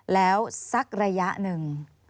แล้วสักระยะหนึ่ง